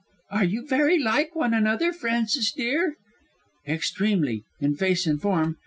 "Are you very like one another, Frances, dear?" "Extremely, in face and form.